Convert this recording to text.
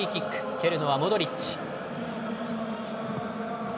蹴るのはモドリッチ。